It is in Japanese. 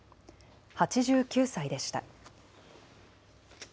８９歳でした。